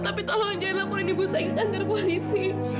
tapi tolong jangan laporin ibu saya ke kantor polisi